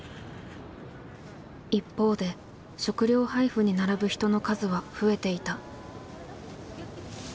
一方で食料配布に並ぶ人の数は増えていた。